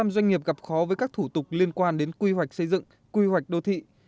một mươi doanh nghiệp gặp khó với các thủ tục liên quan đến quy hoạch xây dựng quy hoạch đô thị